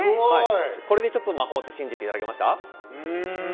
これでちょっと魔法って信じていただけました？